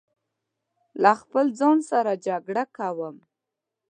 له خپل ځان سره جګړه کوم